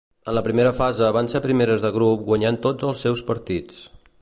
En la primera fase van ser primeres de grup guanyant tots els seus partits.